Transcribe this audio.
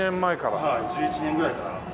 はい１７年ぐらいから。